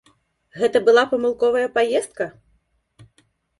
Гэта была памылковая паездка?